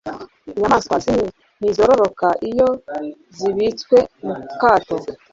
Inyamaswa zimwe ntizororoka iyo zibitswe mu kato.